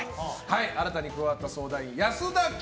新たに加わった相談員は保田圭